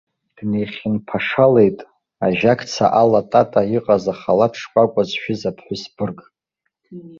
Днеихьынԥашалеит ажьакца алатата иҟаз ахалаҭ шкәакәа зшәыз аԥҳәыс бырг.